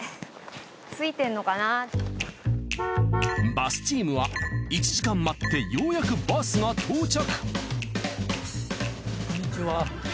バスチームは１時間待ってようやくバスが到着。